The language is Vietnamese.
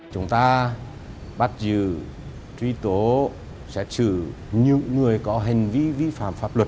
chúng ta bắt giữ truy tố xét xử những người có hành vi vi phạm pháp luật